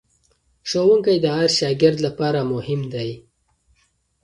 ښوونکی د هر شاګرد لپاره مهم دی.